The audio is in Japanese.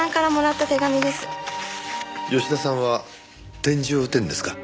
吉田さんは点字を打てるんですか？